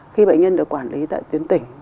khi bệnh nhân được quản lý tại tuyến tỉnh